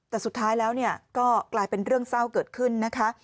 แต่สุดท้ายแล้วก็กลายเป็นเรื่องเศร้าเกิดขึ้นนะคะ